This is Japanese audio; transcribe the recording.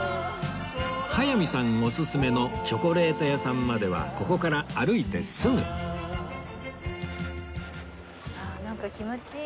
早見さんおすすめのチョコレート屋さんまではここから歩いてすぐなんか気持ちいい。